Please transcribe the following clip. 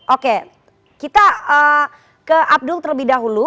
oke kita ke abdul terlebih dahulu